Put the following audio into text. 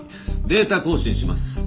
データ更新します。